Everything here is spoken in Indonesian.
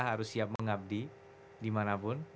harus siap mengabdi dimanapun